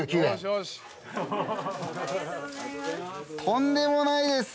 とんでもないです。